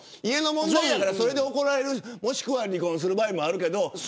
家の問題だから、それで怒られるもしくは離婚する場合もある。